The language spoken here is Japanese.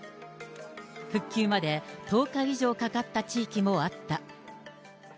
復旧まで１０日以上かかった地域もあった。